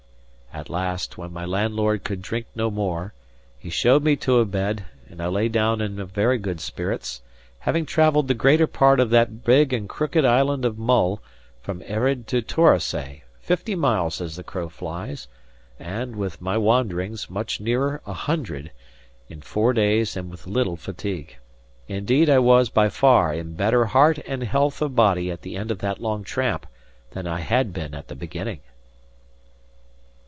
At last, when my landlord could drink no more, he showed me to a bed, and I lay down in very good spirits; having travelled the greater part of that big and crooked Island of Mull, from Earraid to Torosay, fifty miles as the crow flies, and (with my wanderings) much nearer a hundred, in four days and with little fatigue. Indeed I was by far in better heart and health of body at the end of that long tramp than I had been at the beginning.